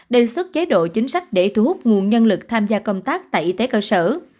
đề xuất chế độ chính sách để thu hút nguồn nhân lực tham gia công tác tại y tế cơ sở